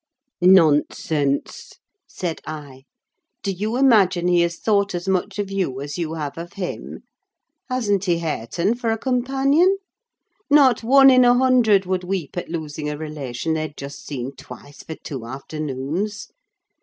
"Nonsense!" said I, "do you imagine he has thought as much of you as you have of him? Hasn't he Hareton for a companion? Not one in a hundred would weep at losing a relation they had just seen twice, for two afternoons.